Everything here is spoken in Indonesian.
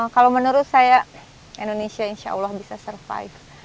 kalau menurut saya indonesia insya allah bisa survive